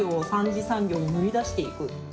３次産業に乗り出していく。